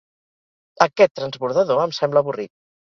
Aquest transbordador em sembla avorrit.